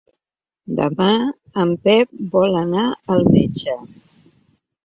Demà en Pep vol anar al metge.